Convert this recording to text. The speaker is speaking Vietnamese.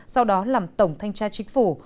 sau đó làm tổng thanh tra chính phủ